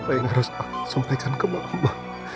apa yang harus aku sampaikan ke bapak